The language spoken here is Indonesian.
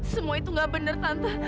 semua itu nggak benar tante